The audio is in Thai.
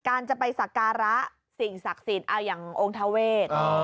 การจะไปศักราสิ่งศักดิ์ศิลป์อย่างองค์ทาเวช